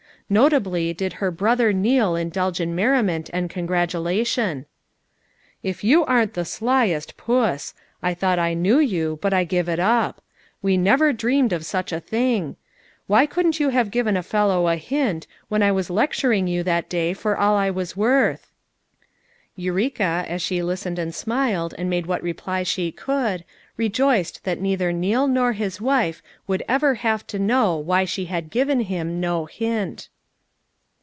Notably did her brother Neal indulge in merriment and congratulation. "If } r ou aren't the slyest puss! I thought I knew you, but I give it up. We never dreamed of such a thing! Why couldn't you have given a fellow a hint, when I was lecturing you that day for all I was worth ?'' Eureka, as she listened and smiled and made what replies she could, rejoiced that neither Neal nor his wife would ever have to know why she had given him no hint.